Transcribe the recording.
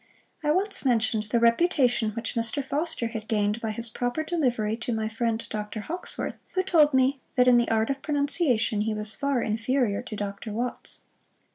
I once mentioned the reputation which Mr. Foster had gained by his proper delivery to my friend Dr. Hawkesworth, who told me, that in the art of pronunciation he was far inferior to Dr. Watts.